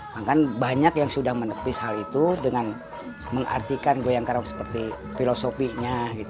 bahkan banyak yang sudah menepis hal itu dengan mengartikan goyang karaom seperti filosofinya